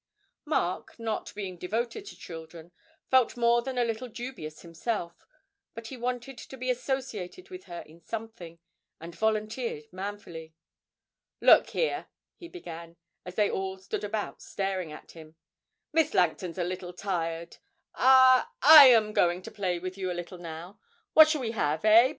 Mark, not being devoted to children, felt more than a little dubious himself; but he wanted to be associated with her in something, and volunteered manfully. 'Look here,' he began, as they all stood about staring at him, 'Miss Langton's a little tired. I I am going to play with you a little now. What shall we have, eh?